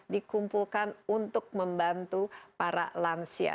dikumpulkan untuk membantu para lansia